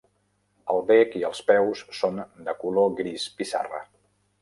El bec i els peus són de color gris pissarra.